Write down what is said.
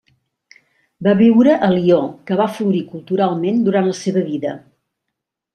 Va viure a Lió, que va florir culturalment durant la seva vida.